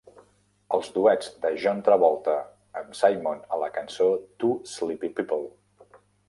Els duets de John Travolta amb Simon a la cançó "Two Sleepy People".